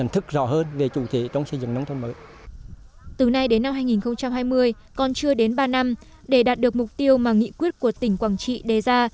từ nay đến năm hai nghìn hai mươi còn chưa đến ba năm để đạt được mục tiêu mà nghị quyết của tỉnh quảng trị đề ra